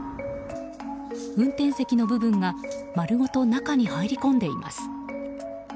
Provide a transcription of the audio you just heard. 運転席の部分が丸ごと中に入り込んでいます。